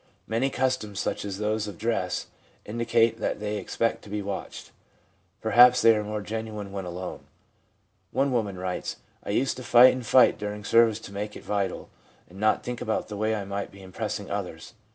Many customs, such as those of dress, indicate that they expect to be watched. Perhaps they are more genuine when alone. One woman writes :—• I used to fight and fight during service to make it vital, and not to think about the way I might be impressing others.